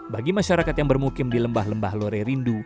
bagi masyarakat yang bermukim di lembah lembah lore rindu